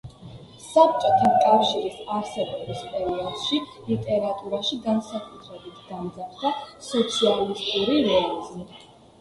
საბჭოთა კავშირის არსებობის პერიოდში ლიტერატურაში განსაკუთრებით გამძაფრდა სოციალისტური რეალიზმი.